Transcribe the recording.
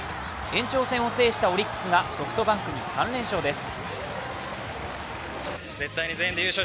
延長戦を制したオリックスがソフトバンクに３連勝です。